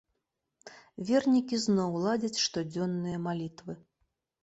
Вернікі зноў ладзяць штодзённыя малітвы.